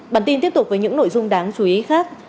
bản tin tiếp tục với những nội dung đáng chú ý khác